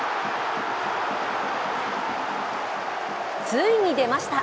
ついに出ました！